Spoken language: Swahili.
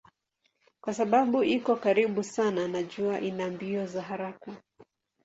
Kwa sababu iko karibu sana na jua ina mbio za haraka.